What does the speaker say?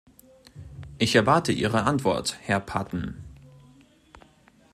Ich erwarte Ihre Antwort, Herr Patten.